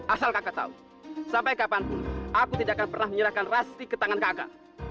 asal kaka tahu sampai kapanpun aku tidak akan pernah menyerahkan lastri ke tangan kaka